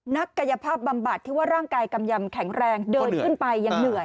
นักกายภาพบำบัดที่ว่าร่างกายกำยำแข็งแรงเดินขึ้นไปยังเหนื่อย